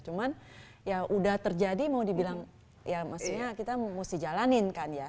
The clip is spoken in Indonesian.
cuman ya udah terjadi mau dibilang ya maksudnya kita mesti jalanin kan ya